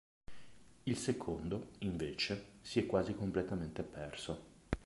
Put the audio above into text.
Il secondo, invece, si è quasi completamente perso.